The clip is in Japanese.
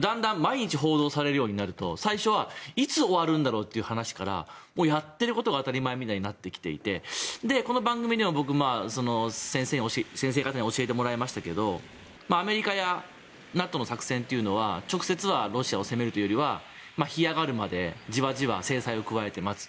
だんだん毎日報道されるようになると最初は、いつ終わるんだろうっていう話からやってることが当たり前みたいになってきていてこの番組でも僕、先生方に教えてもらいましたけどアメリカやＮＡＴＯの作戦というのは直接はロシアを攻めるというより干上がるまでじわじわ制裁を加えて待つ。